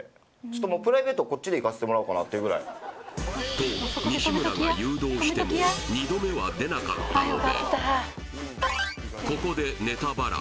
と西村が誘導しても２度目は出なかったので